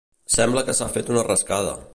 Sembla que s'ha fet una rascada.